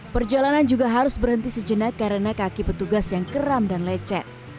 perjalanan juga harus berhenti sejenak karena kaki petugas yang keram dan lecet